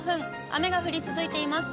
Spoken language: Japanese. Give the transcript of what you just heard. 雨が降り続いています。